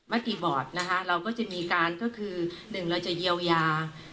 เมื่อกี้บอร์ตเราก็จะมีการคือหนึ่งเราจะเยียวยา